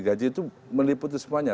gaji itu meliputi semuanya